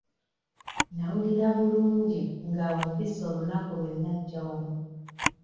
Nnawulira bulungi nga ompise olunaku lwe nnajja wano.